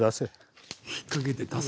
引っ掛けて出せ。